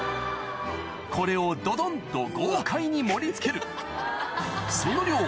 これをドドンと豪快に盛り付けるその量